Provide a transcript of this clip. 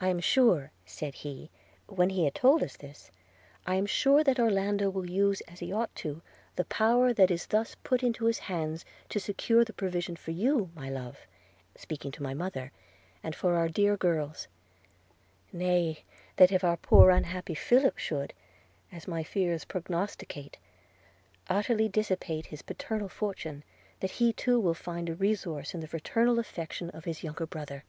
'I am sure, said he, when he had told us this – I am sure that Orlando will use, as he ought to do, the power that is thus put into his hands to secure the provision for you, my love (speaking to my mother), and for our dear girls – Nay, that, if our poor unhappy Philip should, as my fears prognosticate, utterly dissipate his paternal fortune, that he too will find a resource in the fraternal affection of his younger brother.